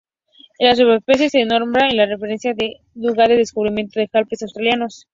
La subespecie se nombra en referencia al lugar de su descubrimiento, los Alpes Australianos.